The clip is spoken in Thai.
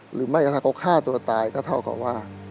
หรือไม่ก็ถ้าเขาฆ่าตัวตายก็เท่ากับว่า